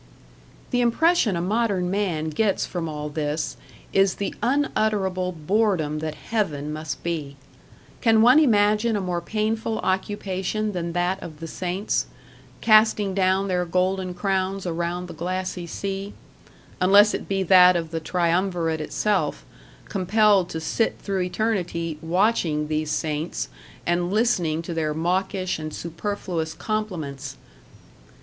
The impression a modern man gets from all this is the unutterable boredom that Heaven must be. Can one imagine a more painful occupation than that of the saints casting down their golden crowns around the glassy sea unless it be that of the Triumvirate itself, compelled to sit through eternity watching these saints, and listening to their mawkish and superfluous compliments!